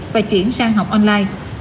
và chuyển sang học online